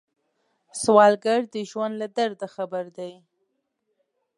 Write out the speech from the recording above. سوالګر د ژوند له درده خبر دی